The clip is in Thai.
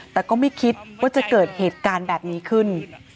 แต่ก็ไม่คิดว่าจะเกิดเหตุการณ์แบบนี้ขึ้น